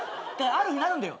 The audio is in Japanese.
ある日なるんだよ。